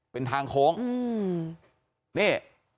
เป็นทางโโห้